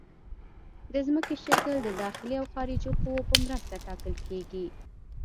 د ځمکې شکل د داخلي او خارجي قوو په مرسته ټاکل کیږي